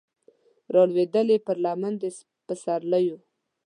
رالویدلې پر لمن د پسرلیو